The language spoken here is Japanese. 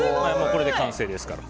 これで完成ですから。